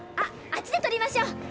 あっちでとりましょう。